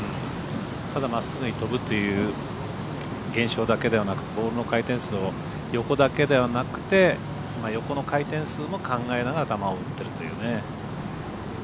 ただまっすぐに飛ぶという現象だけではなくボールの回転数も横だけではなくて、横の回転数も考えながら球を打ってるというね。